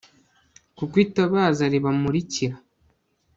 kuko itabaza ribamurikira